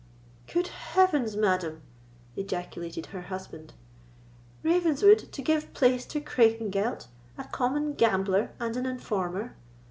"Good heavens, madam!" ejaculated her husband. "Ravenswood to give place to Craigengelt, a common gambler and an informer!